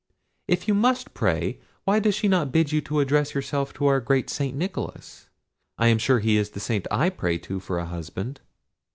If you must pray, why does she not bid you address yourself to our great St. Nicholas? I am sure he is the saint I pray to for a husband."